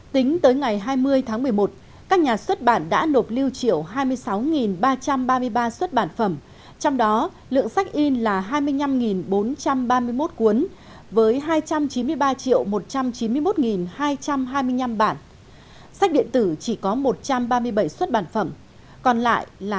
tính tới ngày hai mươi tháng một mươi một các nhà xuất bản đã nộp lưu triệu hai mươi sáu ba trăm ba mươi ba xuất bản phẩm trong đó lượng sách in là hai mươi năm bốn trăm ba mươi một cuốn với hai trăm chín mươi ba một trăm chín mươi một hai trăm ba mươi